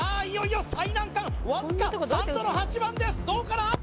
いよいよ最難関わずか３度の８番ですどうかな